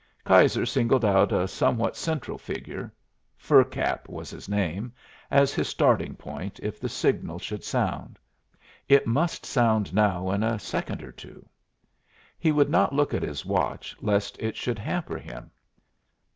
Keyser singled out a somewhat central figure Fur Cap was his name as his starting point if the signal should sound. It must sound now in a second or two. He would not look at his watch lest it should hamper him.